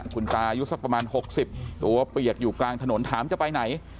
คุณตายุทธ์สักประมาณหกสิบหรือว่าเปียกอยู่กลางถนนถามจะไปไหน